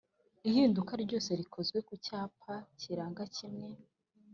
Ihinduka ryose rikozwe ku cyapa kiranga kimwe